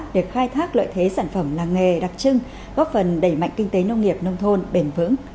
để khai thác lợi thế sản phẩm làng nghề đặc trưng góp phần đẩy mạnh kinh tế nông nghiệp nông thôn bền vững